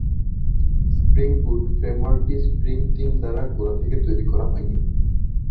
Spring Boot framework টি Spring team দ্বারা গোড়া থেকে তৈরি করা হয়নি।